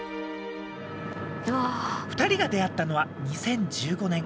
２人が出会ったのは２０１５年。